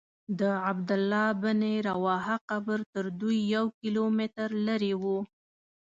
د عبدالله بن رواحه قبر تر دوی یو کیلومتر لرې و.